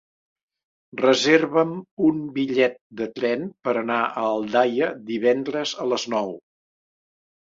Reserva'm un bitllet de tren per anar a Aldaia divendres a les nou.